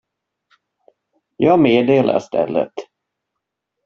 Jag meddelar stället.